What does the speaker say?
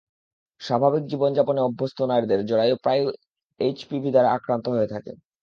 স্বাভাবিক জীবনযাপনে অভ্যস্ত নারীদের জরায়ু প্রায়ই এইচপিভি দ্বারা আক্রান্ত হয়ে থাকে।